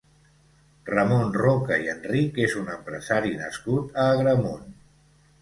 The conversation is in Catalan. Ramon Roca i Enrich és un empresari nascut a Agramunt.